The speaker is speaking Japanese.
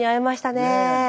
ねえ。